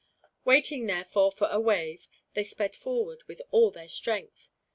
Waiting, therefore, for a wave, they sped forward, with all their strength.